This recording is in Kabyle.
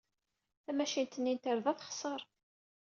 Tamacint-nni n tarda texṣer.